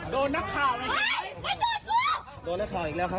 โดนนักข่าวอีกแล้วครับสองคนแล้วครับ